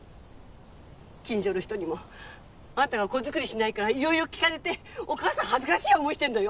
近所の人にもあんたが子作りしないからいろいろ聞かれてお母さん恥ずかしい思いしてるのよ！？